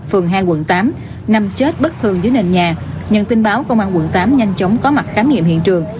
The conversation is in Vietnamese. phường hai quận tám nằm chết bất thường dưới nền nhà nhận tin báo công an quận tám nhanh chóng có mặt khám nghiệm hiện trường